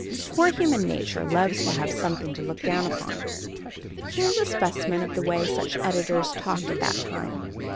Poor human nature loves to have something to look down upon! Here is a specimen of the way such editors talked at that time.